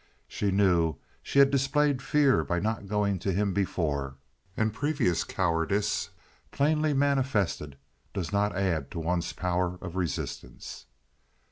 She knew she had displayed fear by not going to him before, and previous cowardice plainly manifested does not add to one's power of resistance.